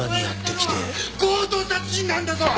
強盗殺人なんだぞ！